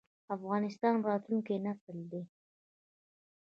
افغانستان د راتلونکي نسل دی؟